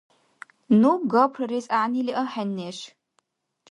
Ну гапрарес гӀягӀнили ахӀен, неш.